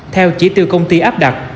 theo chỉ tiêu công ty áp đặt